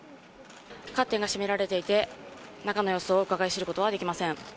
カーテンが閉められていて中の様子をうかがい知ることはできません。